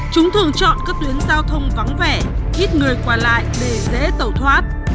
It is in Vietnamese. chúng thường chọn các tuyến giao thông vắng vẻ hít người qua lại để dễ thẩm thoát